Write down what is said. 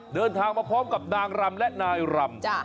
เดินทางมาพร้อมกับนางรำและนายรำ